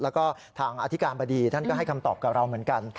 แล้วก็ทางอธิการบดีท่านก็ให้คำตอบกับเราเหมือนกัน